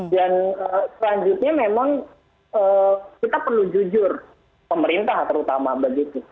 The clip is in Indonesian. dan selanjutnya memang kita perlu jujur pemerintah terutama begitu